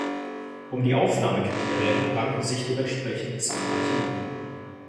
Um die Aufnahmekriterien ranken sich dementsprechend zahlreiche Mythen.